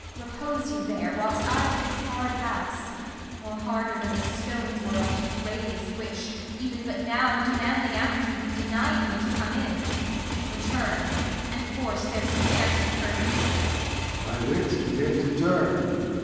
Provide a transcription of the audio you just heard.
Repose you there, whilst I to this hard house (More harder than the stones whereof 'tis rais'd, Which even but now, demanding after you, Denied me to come in) return, and force Their scanted courtesy. Lear. My wits begin to turn.